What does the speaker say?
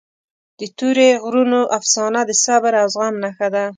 د تورې غرونو افسانه د صبر او زغم نښه ده.